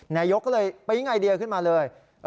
นายกก็เลยปิ๊งไอเดียขึ้นมาเลย